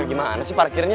gimana sih parkirnya